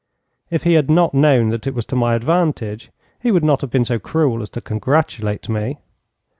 If he had not known that it was to my advantage, he would not have been so cruel as to congratulate me.